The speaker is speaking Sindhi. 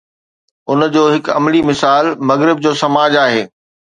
ان جو هڪ عملي مثال مغرب جو سماج آهي.